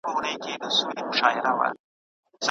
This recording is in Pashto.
مرګ یو ډول ابدي سکون دی.